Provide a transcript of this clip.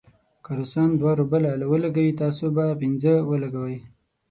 که روسان دوه روبله ولګوي، تاسې به پنځه ولګوئ.